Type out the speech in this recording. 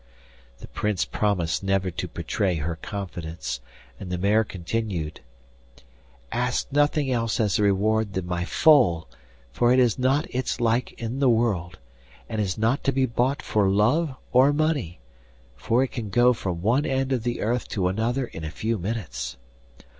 The Prince promised never to betray her confidence, and the mare continued: 'Ask nothing else as a reward than my foal, for it has not its like in the world, and is not to be bought for love or money; for it can go from one end of the earth to another in a few minutes.